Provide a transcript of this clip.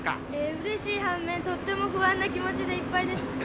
うれしい反面、とっても不安な気持ちでいっぱいです。